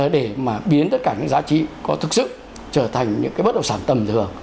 để mà biến tất cả những giá trị có thực sự trở thành những cái bất động sản tầm thường